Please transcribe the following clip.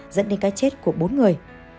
dẫn đến cái chết của bốn người